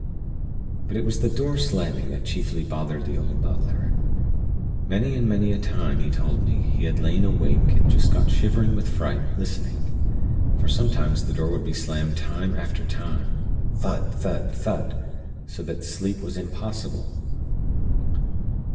"But it was the door slamming that chiefly bothered the old butler. Many and many a time, he told me, had he lain awake and just got shivering with fright, listening; for sometimes the door would be slammed time after time thud! thud! thud! so that sleep was impossible.